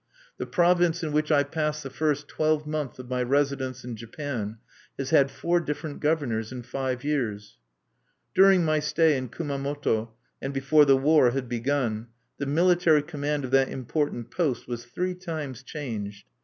The province in which I passed the first twelvemonth of my residence in Japan has had four different governors in five years. During my stay at Kumamoto, and before the war had begun, the military command of that important post was three times changed.